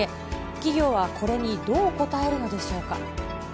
企業はこれにどう応えるのでしょうか。